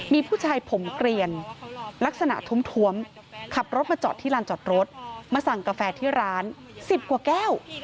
มีผู้ชายผมเกลียนลักษณะท้วมขับรถมาจอดที่ลานจอดรถมาสั่งกาแฟที่ร้าน๑๐กว่าแก้ว